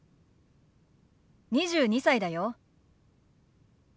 ２２歳だよ。ＯＫ。